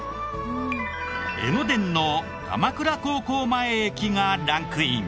江ノ電の鎌倉高校前駅がランクイン。